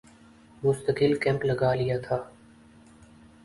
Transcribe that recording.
مستقل کیمپ لگا لیا تھا